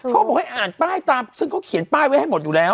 เขาบอกให้อ่านป้ายตามซึ่งเขาเขียนป้ายไว้ให้หมดอยู่แล้ว